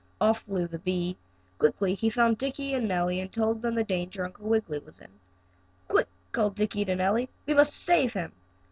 Off flew the bee. Quickly he found Dickie and Nellie and told them the danger Uncle Wiggily was in. "Quick," called Dickie to Nellie. "We must save him."